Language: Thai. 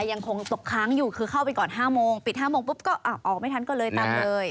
ยังคงตกค้างอยู่คือเข้าไปก่อน๕โมงปิด๕โมงปุ๊บก็ออกไม่ทันก็เลยตามเลย